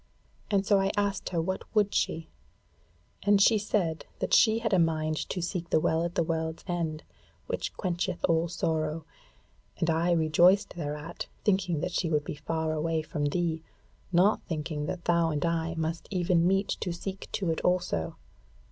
And so I asked her what would she, and she said that she had a mind to seek to the Well at the World's End, which quencheth all sorrow; and I rejoiced thereat, thinking that she would be far away from thee, not thinking that thou and I must even meet to seek to it also.